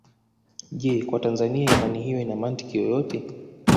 Je Kwa Tanzania imani hiyo ina mantiki yoyote